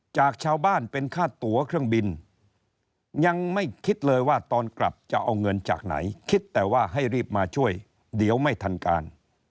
จากชาวบ้านเป็นค่าตัวเครื่องบินยังไม่คิดเลยว่าตอนกลับจะเอาเงินจากไหนคิดแต่ว่าให้รีบมาช่วยเดี๋ยวไม่ทันการ